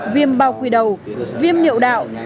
viêm bao quy đầu viêm niệu đạo